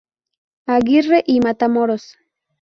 Aguirre y Matamoros.